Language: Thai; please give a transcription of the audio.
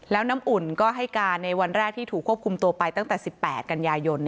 แล้วน้ำอุ่นก็ให้การในวันแรกที่ถูกควบคุมตัวไปตั้งแต่๑๘กันยายน